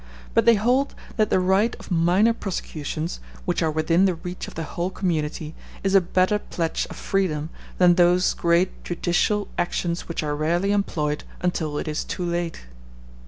But they hold that the right of minor prosecutions, which are within the reach of the whole community, is a better pledge of freedom than those great judicial actions which are rarely employed until it is too late.